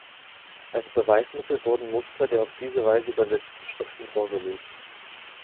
Als Beweismittel wurden Muster der auf diese Weise übersetzten Schriften vorgelegt.